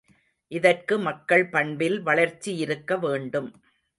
இதற்கு மக்கள் பண்பில் வளர்ச்சியிருக்க வேண்டும்.